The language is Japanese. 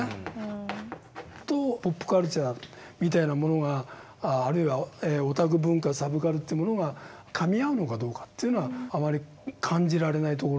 とポップカルチャーみたいなものがオタク文化サブカルというものがかみ合うのかどうかというのはあまり感じられないところなんですけどね。